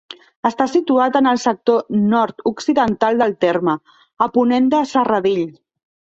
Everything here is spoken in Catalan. Està situat en el sector nord-occidental del terme, a ponent de Serradell.